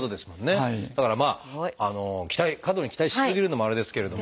だからまあ期待過度に期待し過ぎるのもあれですけれど。